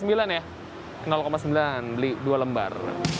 sembilan beli dua lembar